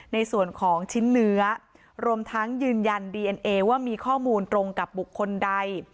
ในส่วนของชิ้นเนื้อรวมทั้งยืนยันดีเอ็นเอว่ามีข้อมูลตรงกับบุคคลใด